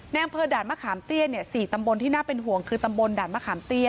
อำเภอด่านมะขามเตี้ย๔ตำบลที่น่าเป็นห่วงคือตำบลด่านมะขามเตี้ย